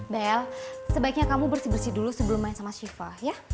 bel sebaiknya kamu bersih bersih dulu sebelum main sama shiva ya